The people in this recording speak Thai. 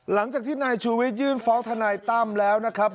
หลังจากที่นายชูวิทยื่นฟ้องทนายตั้มแล้วนะครับ